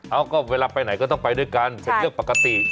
เอ้าก็เวลาไปไหนก็ต้องไปด้วยกันเป็นเรื่องปกติ